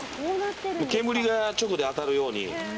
煙が直で当たるように。